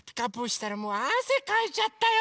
したらもうあせかいちゃったよ！